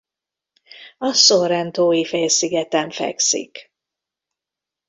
A Sorrentói-félszigeten fekszik.